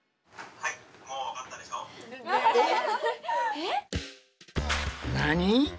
えっ？何？